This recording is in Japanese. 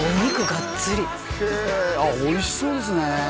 がっつりへえおいしそうですね